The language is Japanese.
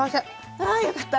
あよかった！